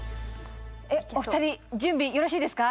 えっお二人準備よろしいですか？